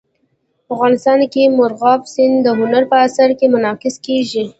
افغانستان کې مورغاب سیند د هنر په اثار کې منعکس کېږي.